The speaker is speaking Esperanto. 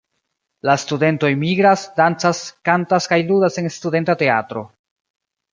La studentoj migras, dancas, kantas kaj ludas en studenta teatro.